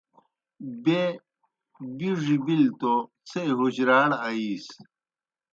بیْہ بِڙیْ بِلیْ توْ څھے حجراڑ آیِیس۔